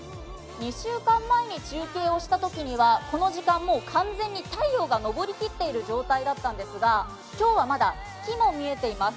２週間前に中継をしたときにはこの時間、もう完全に太陽が昇りきっている状態だったんですが、今日はまだ月も見えています。